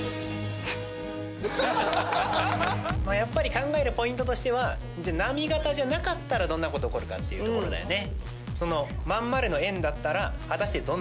考えるポイントとしては波型じゃなかったらどんなこと起こるかっていうところだよね。